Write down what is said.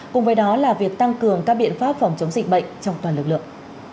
cùng với đó là việc tăng cường các biện pháp phòng chống dịch bệnh trong toàn lực lượng